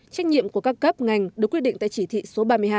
trách nhiệm của các cấp ngành được quyết định tại chỉ thị số ba mươi hai